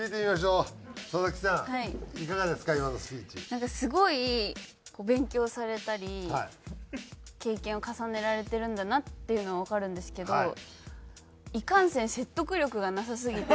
なんかすごい勉強されたり経験を重ねられてるんだなっていうのはわかるんですけどいかんせん説得力がなさすぎて。